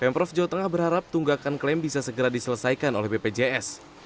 pemprov jawa tengah berharap tunggakan klaim bisa segera diselesaikan oleh bpjs